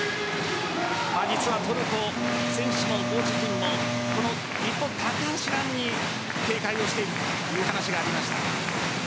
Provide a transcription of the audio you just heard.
トルコ、選手もコーチ陣も日本・高橋藍に警戒をしているという話がありました。